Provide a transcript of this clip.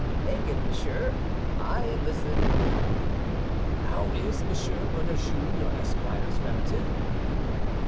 "Make it, monsieur, I listen." "How is Monsieur Bernajoux, your esquire's relative?"